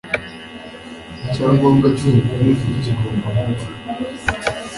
icyangombwa cy ubuvumvu kigomba kuba